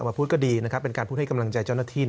มาพูดก็ดีนะครับเป็นการพูดให้กำลังใจเจ้าหน้าที่